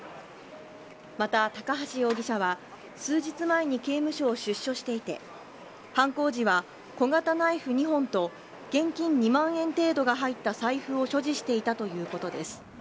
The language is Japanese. また高橋容疑者は数日前に刑務所を出所していて犯行時は小型ナイフ２本と現金２万円程度が入った財布を所持していたということです